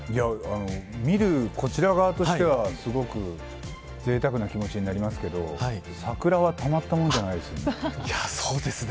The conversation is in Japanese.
見るこちら側としてはすごくぜいたくな気持ちになりますけど桜はそうですね。